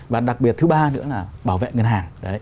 và đặc biệt thứ ba nữa là bảo vệ ngân hàng